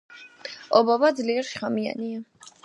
ობობა ძლიერ შხამიანია.